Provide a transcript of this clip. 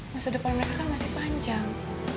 masa depan mereka kan masih panjang